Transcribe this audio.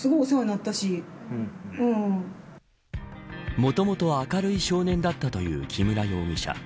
もともと明るい少年だったという木村容疑者。